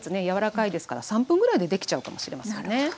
柔らかいですから３分ぐらいでできちゃうかもしれませんね。